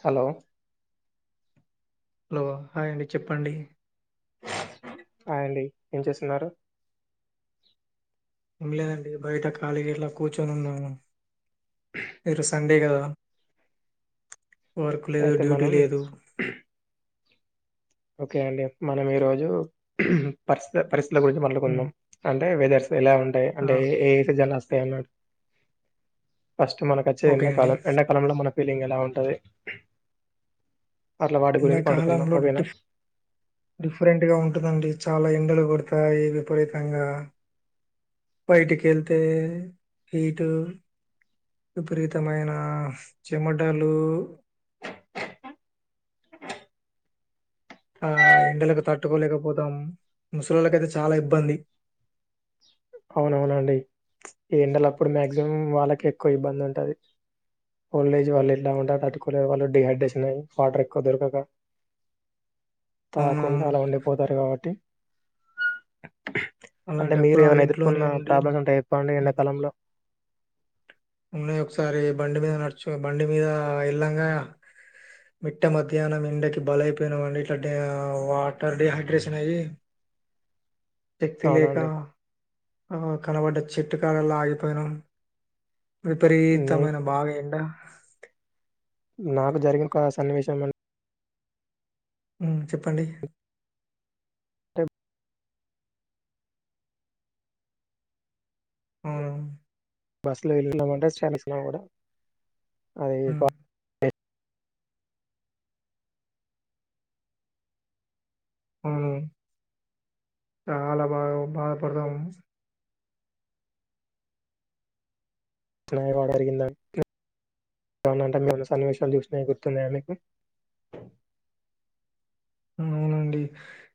Hello hello hi అండి చెప్పండి hi అండి ఏం చేస్తున్నారు ఏం లేదండి బయట ఖాళీగ ఇలా కూర్చొని ఉన్నాము ఇ [inaudible] సండే కదా వర్క్ లేదు అయితే డ్యూటీ మనం లేదు ఓకే అండి మనం ఈ రోజు పరిస్ పరిస్థితుల గురించి హ్మ్ మాట్లాడుకుందాం అంటే వెదర్స్ ఎలా ఉంటాయి ఆ అంటే ఏ ఏ సిజన్లు వస్తాయి అన్నా ఫస్ట్ మనకు అచ్చేది ఓకే అండి ఎండాకాలం. ఎండాకాలంలో మన ఫీలింగ్ ఎలా ఉంటది అట్లా వాటి గురించి మాడుకుందాం ఓకేనా డిఫరెంట్గా ఉంటదండి చాలా ఎండలు కొడతాయి విపరీతంగా బైటకేళ్తే హీటు విపరీతమైన చెమటలు ఆ ఏండలకు తట్టుకోలేకపోతాం, ముసలిళ్లకైతే చాలా ఇబ్బంది అవునవునండి ఈ ఎండల అప్పుడు మాక్సిమం వాళ్ళకె ఎక్కువ ఇబ్బంది ఉంటది ఓల్డేజ్ వాళ్ళు ఎట్లా ఉంట అట్టుకోలే వాళ్ళ డిహైడ్రేషన్ అయ్యి వాటర్ ఎక్కువ దొరకక తాకుండా అవునవును అలా ఉండిపోతారు కాబట్టి అంటే మీరు అలాంటప్పుడు ఆళ్ళు ఏమన్నా ఇంట్లోనే ఎదుర్కొన్న ఉండి ప్రాబ్లమ్ ఉంటె చెప్పండి మ- ఎండాకాలంలో ఉన్నాయి, ఒకసారి బండి మీద నడుచు బండి మీద ఎల్లంగా మిట్ట మధ్యాహ్నం ఎండకి బలైపోయినామండి. ఎట్లంటే వాటర్ డిహైడ్రేషన్ అయ్యి శక్తిలేక అవునండి ఆ కనబడ్డ చెట్టు కాడల్ల ఆగిపోయినం నే విపరీతమైన బాగా ఎండా నాకు జరిగిన ఒక సన్నివేశం అం ఉమ్ చెప్పండి అంటే ఉమ్ బస్సులో వెళ్ళన్నామ అంటే [inaudible] అది హ్మ్ ఉమ్మ్ చాలా బాగా బాధపడతాము [inaudible] బాగా జరిగిందా అవున అంటే మీరు ఏమన్న సన్నివేశాలు చూసినాయి గుర్తున్నాయా మీకు అవునండి,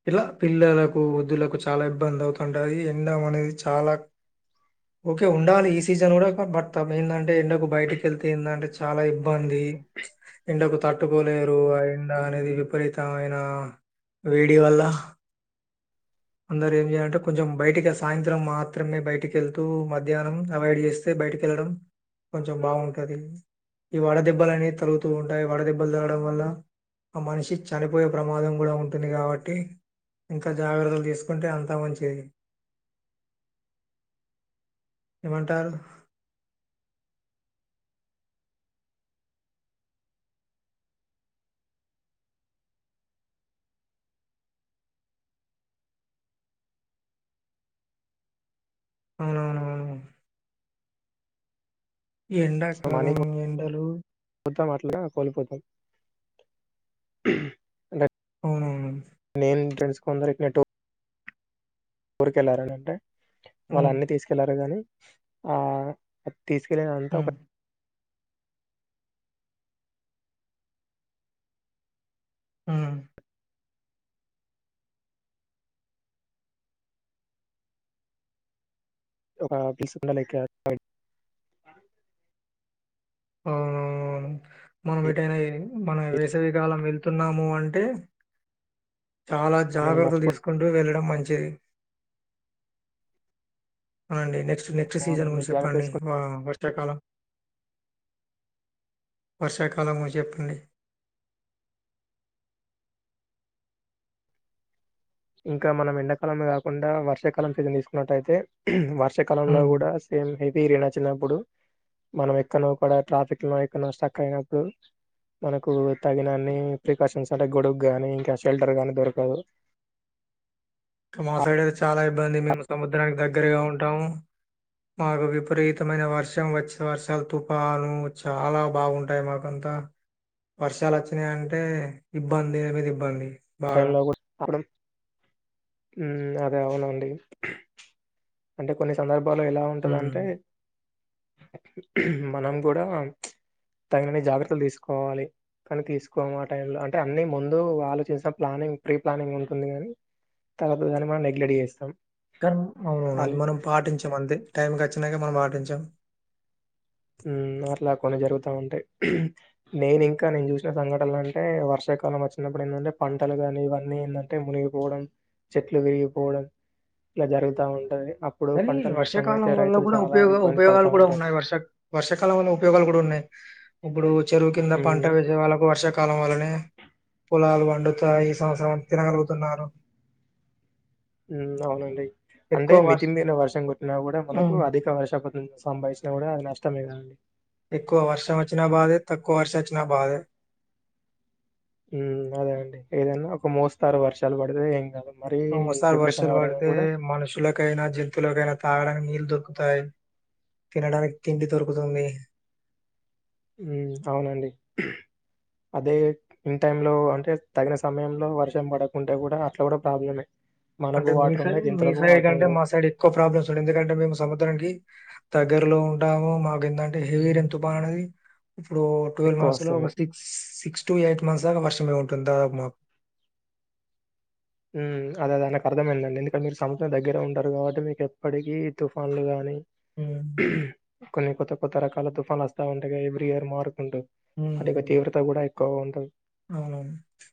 ఇలా పిల్లలకు, వృద్ధులకు చాలా ఇబ్బంది అవుతుంటది ఎండ అనేది చా అలక్ ఓకే ఉండాలి, ఈ సీజన్ కూడా బట్ మెయిన్గా ఏంటంటే ఎండకు బయటకి వెళ్తే ఏందంటే చాలా ఇబ్బంది ది ఎండకు తట్టుకోలేరు, ఆ ఎండ అనేది విపరీతమైన న వేడి వల్ల అందరు ఏం చేయాలంటే కొంచెం బయటికి సాయంత్రం మాత్రమే బయటికి వెళ్తూ మధ్యాహ్నం అవాయిడ్ చేస్తే బయటకిళ్లడం కొంచెం బాగుంటది ఈ వడ దెబ్బలు అనేవి తలుగుతూ ఉంటాయి వడ దెబ్బలు తగలడం వల్ల ఆ మనిషి చనిపోయే ప్రమాదం కూడా ఉంటుంది కాబట్టి ఇంకా జాగ్రత్తలు తీసు చేసుకుంటే అంతా మంచిది ఏమంటారు అవునవునవును ఎండాకాలం ఎండలు ఇగ కోలిపోతయ్ ఎండ అవునవును. నేన్ తెల్సు కొందరికి అటు ఊరికెళ్ళారని అంటే వాళ్ళు హ్మ్. అన్ని తీసుకెళ్లారు గాని ఆ తీసుకెళ్ళినంతా ఒక హ్మ్. ఊ ఒక విసున్న లెక్క అయ్ అవునవునవును మనం ఏటైనా ఈ మనం వేసవికాలం వెళ్తున్నాము అంటే చాలా నేను జాగ్రత్తలు తీసుకుంటూ వెళ్ళడం మంచిది అండి నే నెక్స్ట్ నెక్స్ట్ సీజన్ మర్చిపోతున్నానండి గురించి జాగ్రత్త చెప్పండి తీసుకుని వా వర్షాకాలం వర్షాకాలము చెప్పండి ఇంకా మనం ఎండాకాలం కాకుండా వర్షాకాలం సిజన్ తీసుకున్నటైతే వర్షాకాలంలో హ్మ్. కూడా ఏం హెపీరే నా చిన్నప్పుడు మనం ఎక్కనో కాడా ట్రాఫిక్ లో ఎక్కనో స్ట్రక్ అయినప్పుడు మనకు తగినన్ని ప్రికాషన్స్ అంటే గొడుగు గాని ఇంకా షెల్టర్ గానీ దొరకదు మా ఆ సైడ్ అయితే చాలా ఇబ్బంది మేము సముద్రానికి దగ్గరగా ఉంటాము మాకు విపరీతమైన వర్షం వచ్చే వర్షాలు తుఫను చాలా బాగుంటాయి మాకం అ వర్షాలు వచ్చినాయి అంటే ఇబ్బందిల మీద ఇబ్బంది ఆ టైం బాగా. లో కూడా అప్పుడు ఊ అదే అవునండి అంటే కొన్ని సందర్భా లలో ఎలా హ్మ్. ఉంటదంటే మనం కూడా ప్చ్ తగినని జాగ్రత్తలు తీసుకోవాలి కానీ తీసుకోము ఆ టైం ల అంటే అన్ని ముందు ఆలోచించిస్తం ప్లానింగ్ ప్రీ ప్లానింగ్ ఉంటుంది కానీ తర్వాత దాన్ని మనం నెగ్లెట్ చేస్తాం కానీ అవునవును అల్ అది మనం పాటించాం అంతే టైంకి వచ్చినంకే మనం పాటించాం తా వుంటాయ్ నేను ఇంకా నేను చూసిన సంఘటన అంటే వర్షాకాలం వచ్చినప్పుడు ఏంటంటే పంటలు కానీ ఇవన్నీ ఏందంటే మునిగిపోవడం చెట్లు విరిగిపోవడం ఇగ జరుగుతా ఉంటది అప్పుడు కానీ పంటలు వర్షాకాలం నష్టమైతే వల్ల రైతులు కూడా చాలా ఉపయోగ ఇబ్బంది పడతా ఉపయోగాలు కూడా ఉంటారు. ఉన్నాయి వర్ష వర్షాకాలం వల్ల ఉపయోగాలు కూడా ఉన్నాయి ఇప్పుడు చెరువు కింద పంట హ్మ్. వేసే వాళ్ళకు వర్ష కాలం వల్లనే పొలాలు వండుతాయి ఈ సంవత్సరంతా తినగలుగుతున్నారు ఊ అవునండి అంటే ఎక్కువ వర్ష్ మితిమీర వర్షం కుట్టినా కూడా మనకు హ్మ్. అధిక వర్ష పతుంది సంభాసినా కూడా అది నష్టమే గదండి ఎక్కువ వర్షం వచ్చినా బాధే తక్కువ వర్షం వచ్చినా బాధే ఊ అదే అండి ఏదనా ఒక మోస్తారు వర్షాలు పడితే ఏం కాదు ఒకొసారి వర్షాలు పడితే మనుషులకైనా జంతువులకైనా తాగడానికి నీర్ దొర్కుతయి తినడానికి తిండి దొర్కుతుంది ఊ అవునండి అదే ఇన్ టైం లో అంటే తగిన సమయంలో వర్షం పడకుంటే కూడా అట్ల కూడా ప్రాబ్లమే మనకు అంటే మీ వాటర్ సైడ్ ఉన్నాయి మీ జంతువులకు సైడ్ వాటర్ కంటే ఉండవు మా సైడ్ ఎక్కువ ప్రాబ్లమ్స్ ఉండయ్ ఎందుకంటే మేము సముద్రానికి దగ్గరలో ఉంటాము మాకు ఎందంటే హెవీ రైన్ తుపానుది ఇప్పుడు ట్వెల్వ్ ఎక్కువ మంత్స్ లో వస్తుంది. ఒక six six to eight months దాగా వర్షం మే ఉంటుంది దాదాపు మాకు ఉమ్ అదదే నాక్ అర్థమైందండి. ఎందుకంట్ మీరు సముద్రం దగ్గరే ఉంటారు గాబట్టి. మీకు ఎప్పటికీ తుఫాన్లు గాని, ఉహ్మ్ కొన్ని కొత్త కొత్త రకాల తుఫన్ వస్తా ఉంటాగా. Every year మారుకుంటూ. వాటి యొక్క తీవ్రత గూడా ఏక్ క్కువగుంటుంద్ అవునవును ప్చ్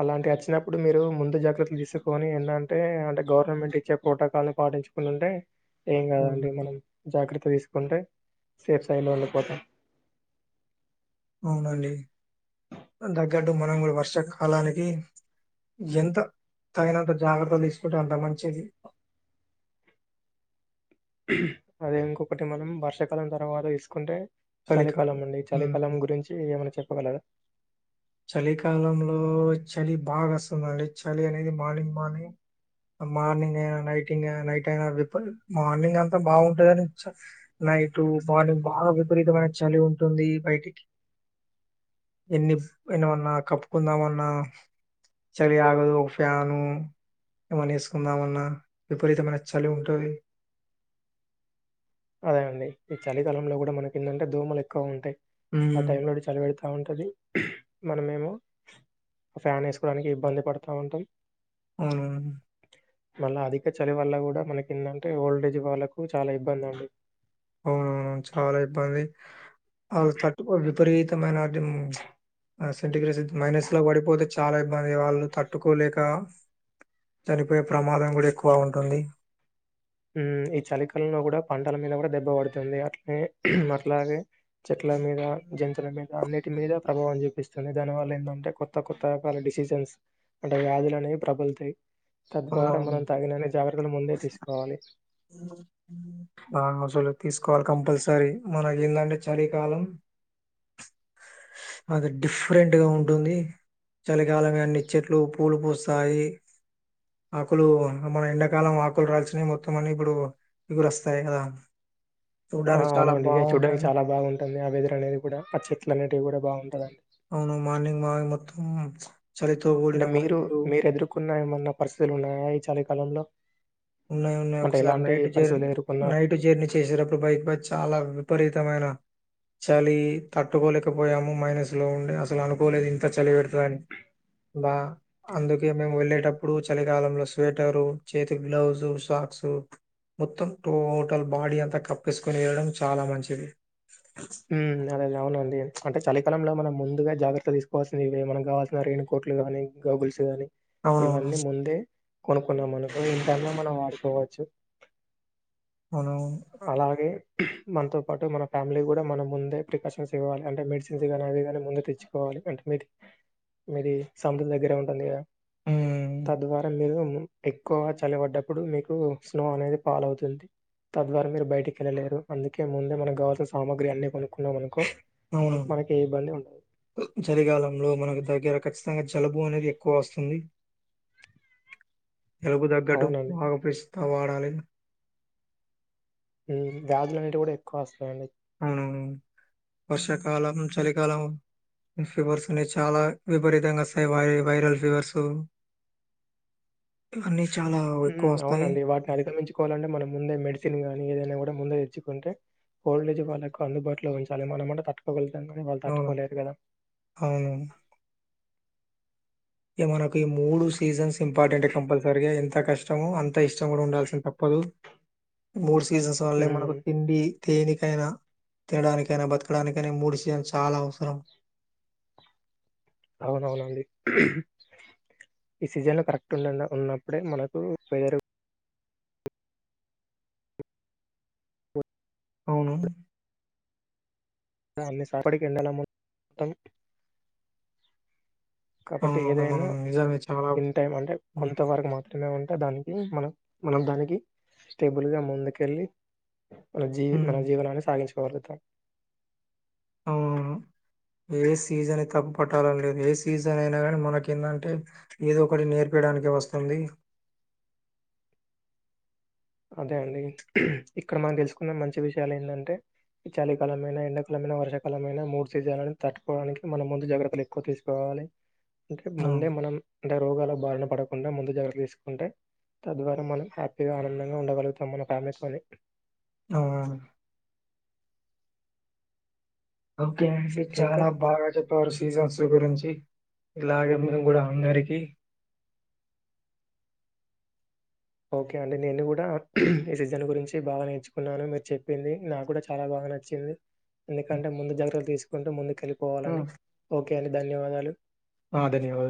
అలాంటి యాచ్చినప్పుడు. మీరు ముందు జాగ్రత్తలు తీసుకొని, ఏంధంటే అంటే గవర్నమెంట్ ఇచ్చే ప్రోటోకాల్నీ పాటించ్ చెకునింటే ఏం ఉమ్, కాదండి. మనం జాగ్రత్త తీసుకుంటే సేఫ్ స్థైలో ఉండిపోతాం. గడ్డు మనం గూడా వర్షాకాలానికి ఎంత తగినంత జాగ్రత్తలు తీసుకుంటే. అంత మంచిది అదే ఇంకొకటి మనం, వర్షాకాలం తర్వాత తీసుకుంటే. చలికాలం అండి. ఈ చలికాలం గురించి ఏమన్నా చెప్పగలరా? చలికాలంలో చలి బాగా వస్తుందండి. చలి అనేది మార్నింగ్ మార్నింగ్ మార్నింగ్ అయినా, నైటింగ్ ఐన, నైట్ అయినా రిపల్ మార్నింగ్ అంతా బావుంటదని. చ నైటు, మార్నింగ్ బాగా విపరీతమైన చలి ఉంటుంది. బయటికి ఎన్ని ఏనవన్నా, కప్పుకుందామన్నా. చలి ఆగదు ఒక ఫ్యాను ఏమన్న వేసుకుందామన్నా. విపరీతమైన చలి ఉంటది. అదే అండి. ఈ చలికాలంలో గూడా మనకి ఏందంటే. దోమలు ఎక్కువ ఉంటాయి. ఆ ఉమ్ టైం లో చలి పెడుత్ త ఉంటది. మనమేమో ఫ్యాన్ ఎసుకోవడానికి ఇబ్బంది పడుతా ఉంటాం. అవునా మళ్ళ అధిక చలి వల్ల కూడా మనకి ఏంటంటే. ఓల్డేజ్ వాళ్ళకు చాలా ఇబ్బంది అండి. అవునవును చాలా ఇబ్బంది. అల్ తట్టుకో విపరీతమైనదిం. ప్చ్ ఆ సెంటిగ్రిస్ మైనస్ లో పడిపోతే చాలా ఇబ్బందిగా. వాళ్ళు తట్టుకోలేక చనిపోయే ప్రమాదం గూడా ఎక్కువ ఉంటుంది. ఉమ్ ఈ చలికాలంలో గూడా పంటల మీద కూడా దెబ్బ పడుతుంది. అట్లే అట్లాగే చెట్ల్ ల మీద, జంతుల మీద, అన్నిటి మీద ప్రభావం చూపిస్తుంది. దాని వల్ల ఏంటంటే కొత్త కొత్త రకాల డిసిజన్స్ అంటే వ్యాధులు అనేవి ప్రబుల్తాయి. తద్వారా అవునవును మనం తగినని జాగ్రత్తలు, ముందే తీస్ ఆ అస్సల్ తీస్ స్కోవాలి కంపల్సరీ. మనకి ఏందంటే చలి కాలం అది డిఫ్రెంట్ గా ఉంటుంది. చలికాలమే అన్ని చెట్లు పూలు పూస్తాయి. ఆకులు మన ఎండాకాలం, ఆకులు రాల్సినవి మొత్తం అని ఇప్పుడు. ఇగురుొస్తాయి కదా. ఆ చూడ్డానికి అవున చాలా అండి ఇదే చూడడానికి బాగుంటది చాలా బాగుంటుంది. ఆ వెదర్ అనేది కూడా, ఆ చెట్ల్ అనేటివి గూడా బాగుంటదండి. అవును మార్నింగ్ మన్నింగ్ మొత్తం. ప్చ్ అంటే మీరు మీరు ఎదుర్కొన్న ఏమన్నా పరిస్థితులు ఉన్నాయా. ఈ చాలకాలంలో? ఉన్నాయి ఉన్నాయి. ఒకసారి నైట్ జర్, ఎదుర్కొన్నారు నైట్ జర్నీ చేసారుప్పుడు. బైక్ పై చాలా విపరీతమైన చలి తట్టుకోలేకపోయాము మైనస్ లో ఉండే. అసలు అనుకోలేదు, ఇంత చలి పెడతదని. బా అందుకే మేము వెళ్ళేటప్పుడు. చలికాలంలో స్వేటరు, చేతి గ్లౌస్ జు, సాక్సు మొత్తం టోటల్ బాడీ అంతా కప్పస్కోని, వేళడం చాలా మంచిది. ఉమ్ అదేలే అవును అండి అది ప్చ్ అంటే చలికాలంలో మనం ముందుగా జాగ్రత్త తీసుకోవాల్సింది. ఇవే మనం కావాల్సిన రైయిన్ కోట్లుగానీ, గౌగుల్స్ గాని, అవునవును ఇవన్నీ ముందే కొనుక్కున్నామనుకో, ఎంతన్నా మనం వాడుకోవచ్చు. మనం అలాగే మనతో పాటు మన ఫ్యామిలీ కూడా మనం ముందే ప్రికాషన్స్ ఇవ్వాలి అంటే మెడిసిన్స్ గానీ అవి కానీ ముందే తెచ్చుకోవాలి అంటే మీది మీది సముద్ర దగ్గరే ఉంటుంది కదా ఉమ్ తద్వారా మీరు ఎక్కువగా చలిబడ్డప్పుడు మీకు స్నో అనేది పాలవుతుంది తద్వారా మీరు బయటికిళ్ళలేరు అందుకే ముందే మనకు కావాసిన సామాగ్రి అన్ని కొను అవున ఉండదు చలికాలంలో మనకి దగ్గర ఖచ్చితంగా జలుబు అనేది ఎక్కువ వస్తుంది జలుబు తగ్గట్టు అవునండి బాగా వాడాలి వ్యాధులు అన్నింటివి కూడా ఎక్కువ వస్తాయండి ఆ వర్షాకాలం చలికాలం ఫీవర్స్ అవి చాలా విపరీతంగా వస్తాయి వైరల్ ఫీవర్సు అన్ని ఉ అవునండి వాటిని అధిగమించుకోవాలంటే మనం ముందే మెడిసిన్ గానీ ఏదనా కానీ ముందు తెచ్చుకుంటేఓల్డేజ్ వాళ్ళకు అందుబాటులో ఉంచాలి మనమట తట్టు వాళ్ళు అవును తట్టుకోలేరు కదా అవును ఇ మనకు ఈ మూడు సీజన్స్ ఇంపార్టెంట్ కంపల్సరీగా ఎంత కష్టము అంత ఇష్టం కూడా ఉండాల్సిన తప్ప దు మూడు సీజన్స్ వాళ్ళని మనకి ఉమ్, తిండి తేనే కైనా తినడానికైనా బతకడానికైనా మూడు సీజన్ చాలా అవసరం అవునవునండి ఈ సీజన్లు కరెక్ట్ ఉన్నప్పుడే మనకు వెదర్ అవును అన్ని సపడికి ఎండెలం మొత్తం [inaudible] కాబట్టి అవును. ఏదైనా మనం నిజమే చాలా ఇన్ టైం అంటే హ్మ్. కొంత వరకు మాత్రమే ఉంట దానికి మనం మనం దానికి స్టేబుల్ గా ముందుకెళ్ళి మన జీ మన హ్మ్. జీవనాన్ని సాగించుకోగలుగుతాం అవునవును. [inaudible] ఏ సీజన్ తప్పు పట్టాలని లేదు ఏ సీజన్ అయినా కాని మనకి ఏందంటే ఏదో ఒకటి నేర్పయడానికి వస్తుంది [inaudible] అదే అండి ఇక్కడ మనం తెలుసుకున్న మంచి విషయాలు ఏంటంటే ఈ చాలకాలంమైన ఎండాకాలమైననా వర్షకాలంమైన మూడు సీజన్లని తట్టుకోవడానికి మన ముందు జాగ్రత్తలు ఎక్కువ తీసుకోవాలి అంటే ముందే అవును. మనం అంటే రోగాల బారిన పడకుండా ముందు జాగ్రత్త తీసుకుంటే తద్వారా మనం హ్యాపీగాం ఉండగలుగుతాం మన ఫ్యామిస్ లోని అవునవును. ఓకే అండి ఇంకా చాలా బాగా చెప్పారు సీజన్స్ గురించి ఇలాగే మేము కూడా అందరికి ఓకే అండి నేను కూడా ఈ సీజన్ గురించి బాగా నేర్చుకున్నాను మీరు చెప్పింది నాకు కూడా చాలా బాగా నచ్చింది ఎందుకంటే ముందు జాగ్రలు తీసుకుంటూ ముందు కలిపోవాలని హ్మ్. ఓకే అండి ధన్యవాదాలు ఆ! ధన్యవాదాలు.